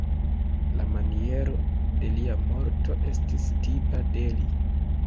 La maniero de lia morto estis tipa de li.